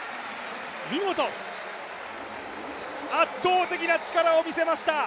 圧倒的な力を見せました！